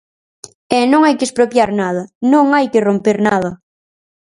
¡E non hai que expropiar nada, non hai que romper nada!